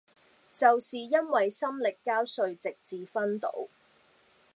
就是因為心力交瘁直至昏倒